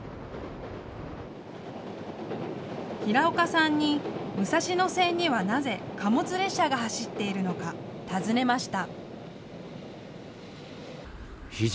平岡さんに武蔵野線にはなぜ貨物列車が走っているのか尋ねました。